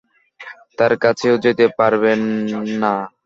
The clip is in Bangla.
তার কাছেও যেতে পারবে না।